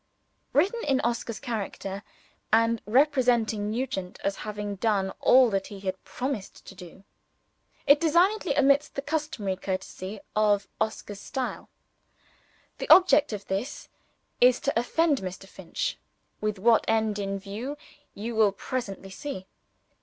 Written in Oscar's character (and representing Nugent as having done all that he had promised me to do) it designedly omits the customary courtesy of Oscar's style. The object of this is to offend Mr. Finch with what end in view you will presently see.